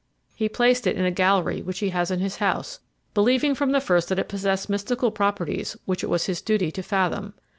He placed it in a gallery which he has in his house, believing from the first that it possessed mystical properties which it was his duty to fathom.